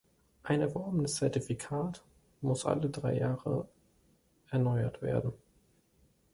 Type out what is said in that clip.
Ein erworbenes Zertifikat muss alle drei Jahre erneuert werden.